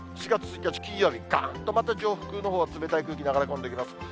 ４月１日金曜日、がーんとまた上空のほうは冷たい空気、流れ込んできます。